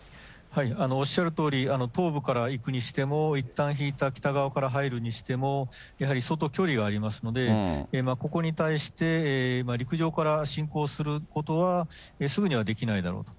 おっしゃるとおり、東部から行くにしても、いったん引いた北側から入るにしても、やはり相当距離がありますので、ここに対して、陸上から侵攻することはすぐにはできないだろうと。